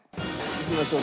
いきましょう。